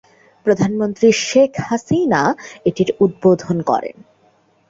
প্রধানমন্ত্রী শেখ হাসিনা এটির উদ্বোধন করেন।